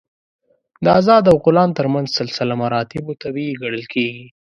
د آزاد او غلام تر منځ سلسله مراتبو طبیعي ګڼل کېږي.